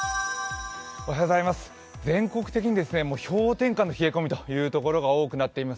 全国的に氷点下の冷え込みの所が多くなっています。